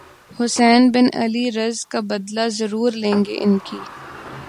حسین بن علی رض کا بدلہ ضرور لیں گے انکی